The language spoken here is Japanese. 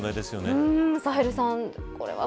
サヘルさん